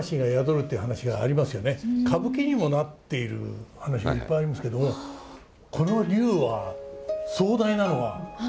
歌舞伎にもなっている話いっぱいありますけどこの龍は壮大なのは相手が琵琶湖ですよ。